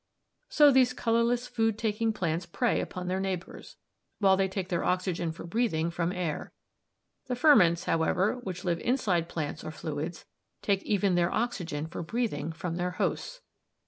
"So these colourless food taking plants prey upon their neighbours, while they take their oxygen for breathing from air. The 'ferments,' however, which live inside plants or fluids, take even their oxygen for breathing from their hosts.